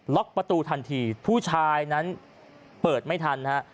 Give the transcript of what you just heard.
ล็อกประตูทันทีผู้ชายนั้นเปิดไม่ทันฮะ